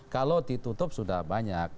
kalau ditutup sudah banyak